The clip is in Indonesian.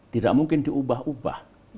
tidak mungkin diubah ubah